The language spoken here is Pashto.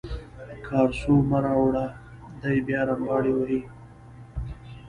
کارسو مه راوړه دی بیا رمباړې وهي.